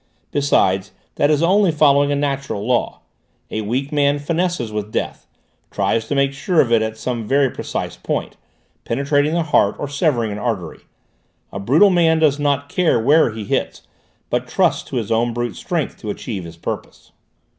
Besides, that is only following a natural law; a weak man finesses with death, tries to make sure of it at some precise point, penetrating the heart or severing an artery; a brutal man does not care where he hits, but trusts to his own brute strength to achieve his purpose.